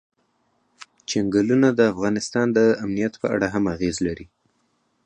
چنګلونه د افغانستان د امنیت په اړه هم اغېز لري.